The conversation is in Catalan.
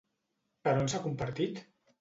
Per on s'ha compartit?